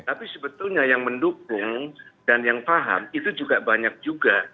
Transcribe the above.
tapi sebetulnya yang mendukung dan yang paham itu juga banyak juga